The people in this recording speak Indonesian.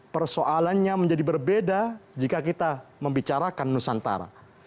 persoalannya menjadi berbeda jika kita membicarakan nusantara